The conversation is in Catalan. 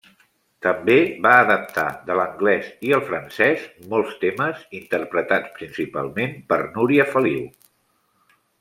També va adaptar, de l'anglès i el francès, molts temes, interpretats principalment per Núria Feliu.